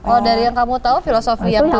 oh dari yang kamu tahu filosofi yang tahu